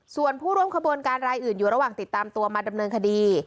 ส่วนผู้ร่วมขบวนการรายอื่นอยู่ระหว่างติดตามตัวมาดำเนินคดี